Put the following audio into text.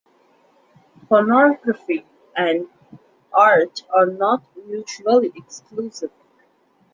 "Pornography and Art are not Mutually Exclusive.